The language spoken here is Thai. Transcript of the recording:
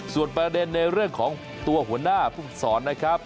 ส่วนประเด็นในเรื่องของตัวหัวหน้าผู้ฝึกศรนะครับ